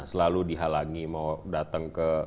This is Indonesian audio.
selalu dihalangi mau datang ke